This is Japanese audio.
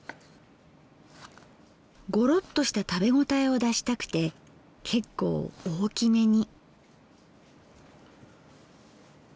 ゴロッとした食べ応えを出したくて結構大きめに。